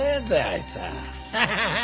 あいつは。